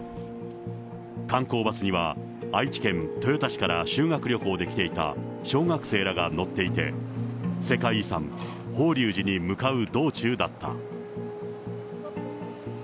観光バスには、愛知県豊田市から修学旅行で来ていた小学生らが乗っていて、世界遺産、法隆寺に向かう道中だった。